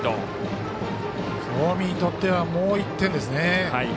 近江にとってはもう１点ですね。